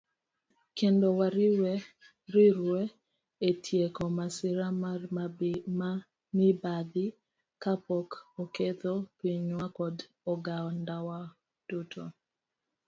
kendo wariwre e tieko masira mar mibadhi ka pok oketho pinywa kod ogandawa duto.